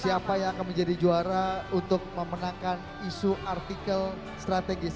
siapa yang akan menjadi juara untuk memenangkan isu artikel strategis